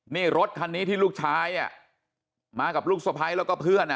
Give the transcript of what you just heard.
นี่รถคันนี้ที่ลูกชายมากับลูกสะพ้ายแล้วก็เพื่อน